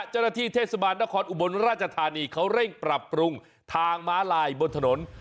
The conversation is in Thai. จรฐีเทศบาลนครอบบนราชธานีเขาเร่งปรับปรุงทางม้าลายบนถนน